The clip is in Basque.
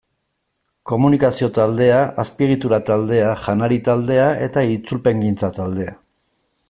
Komunikazio taldea, Azpiegitura taldea, Janari taldea eta Itzulpengintza taldea.